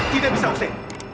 tidak bisa uli